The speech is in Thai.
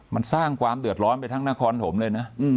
มันสร้างความเดือดร้อนไปทั้งนครถมเลยนะ